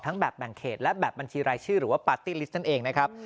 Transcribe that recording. แบบแบ่งเขตและแบบบัญชีรายชื่อหรือว่าปาร์ตี้ลิสต์นั่นเองนะครับ